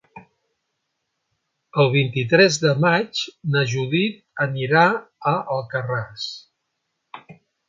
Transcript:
El vint-i-tres de maig na Judit anirà a Alcarràs.